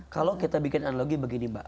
kalau kita bikin analogi begini mbak